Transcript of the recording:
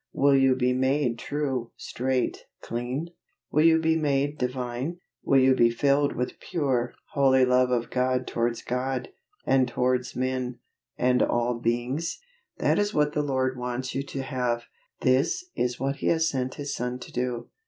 Will you be made true, straight, clean? Will you be made Divine? Will you be filled with the pure, holy love of God towards God, and towards men, and all beings? That is what the Lord wants you to have. This is what He has sent His Son to do.